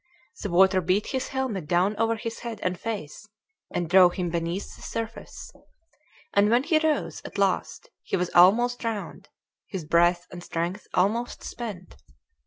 The water beat his helmet down over his head and face and drove him beneath the surface; and when he rose at last he was almost drowned, his breath and strength almost spent.